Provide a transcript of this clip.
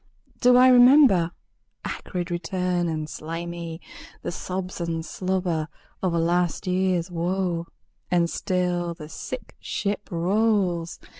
Do I remember? Acrid return and slimy, The sobs and slobber of a last years woe. And still the sick ship rolls.